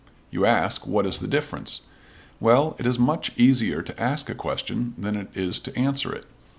You ask what is the difference? Well, it is much easier to ask a question than it is to answer it.